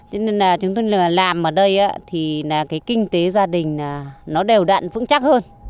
cho nên là chúng tôi làm ở đây thì là cái kinh tế gia đình nó đều đặn vững chắc hơn